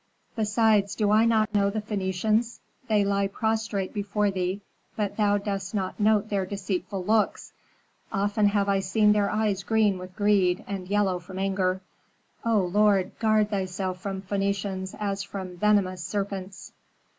Besides, do I not know the Phœnicians? They lie prostrate before thee, but thou dost not note their deceitful looks; often have I seen their eyes green with greed and yellow from anger. O lord, guard thyself from Phœnicians as from venomous serpents."